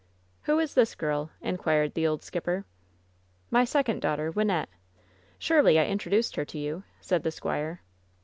"Who is this girl?" inquired the old skipper. "My second daughter, Wynnette. Surely, I intro duced her to you," said the squire.